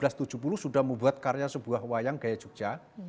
seribu delapan ratus tujuh puluh sudah membuat karya sebuah wayang gaya jogja